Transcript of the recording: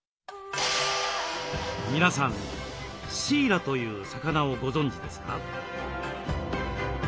皆さんシイラという魚をご存じですか？